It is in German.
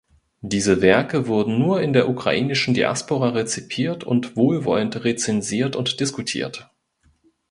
Diese Werke wurden nur in der ukrainischen Diaspora rezipiert und wohlwollend rezensiert und diskutiert.